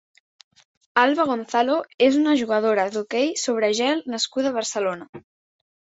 Alba Gonzalo és una jugadora d'hoquei sobre gel nascuda a Barcelona.